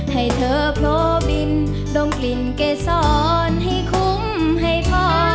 ให้เธอโผล่บินดมกลิ่นเกษรให้คุ้มให้พอ